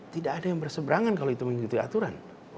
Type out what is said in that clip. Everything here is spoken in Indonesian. tidak ada yang berseberangan kalau itu mengikuti aturan